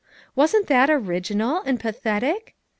"Wasn't that original, and pathetic?